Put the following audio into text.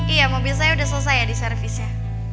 iya mobil saya sudah selesai ya di servisnya